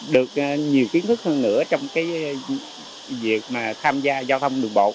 được nhiều kiến thức hơn nữa trong việc tham gia giao thông đường bộ